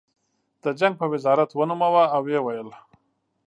د جنګ په وزارت ونوموه او ویې ویل